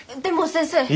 でも先生。